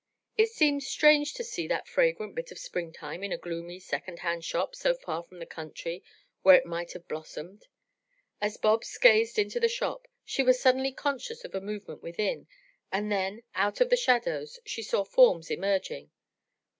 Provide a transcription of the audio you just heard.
It seemed strange to see that fragrant bit of springtime in a gloomy second hand shop so far from the country where it might have blossomed. As Bobs gazed into the shop, she was suddenly conscious of a movement within, and then, out of the shadows, she saw forms emerging.